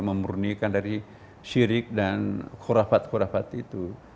memurnikan dari syirik dan khurafat khorafat itu